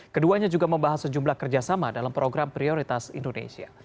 keduanya juga membahas sejumlah kerjasama dalam program prioritas indonesia